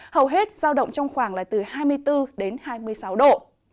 hầu hết giao động trong khoảng là từ hai mươi bốn đến hai mươi sáu độ